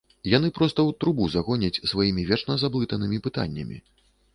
Яны проста ў трубу загоняць сваімі вечна заблытанымі пытаннямі.